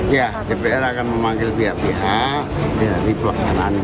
ya dpr akan memanggil pihak pihak